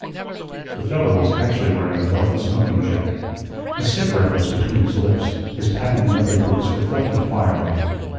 The fellow was actually wearing a velvet smoking jacket. A cigarette was between his lips; his patent leather boots reflected the firelight.